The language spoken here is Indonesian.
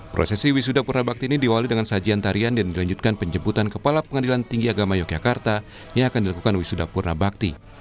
prosesi wisuda purnabakti ini diawali dengan sajian tarian dan dilanjutkan penjemputan kepala pengadilan tinggi agama yogyakarta yang akan dilakukan wisuda purna bakti